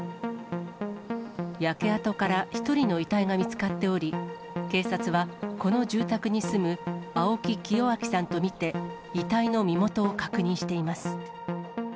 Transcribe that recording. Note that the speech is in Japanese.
焼け跡から１人の遺体が見つかっており、警察はこの住宅に住む青木清昭さんと見て、遺体の身元を確認しています。